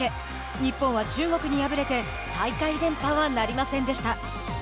日本は中国に敗れて大会連覇はなりませんでした。